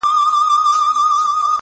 پر اسمان یې د پردیو غوبل جوړ دی-